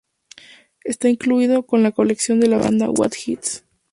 Está incluido en la colección de la banda "What Hits!?